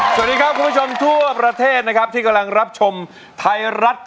สวัสดีครับคุณผู้ชมทั่วประเทศนะครับที่กำลังรับชมไทยรัฐ